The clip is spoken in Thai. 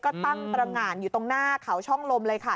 ก็ตั้งตรงานอยู่ตรงหน้าเขาช่องลมเลยค่ะ